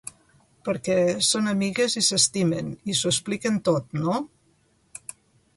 Perquè són amigues i s'estimen i s'ho expliquen tot, no?